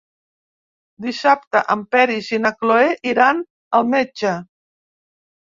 Dissabte en Peris i na Cloè iran al metge.